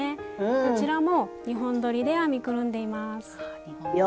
こちらも２本どりで編みくるんでいます。